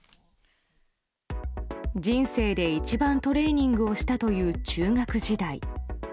人生で一番トレーニングをしたという中学時代。